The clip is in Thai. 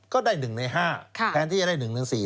ก็ได้๑ใน๕แทนที่จะได้๑๑๔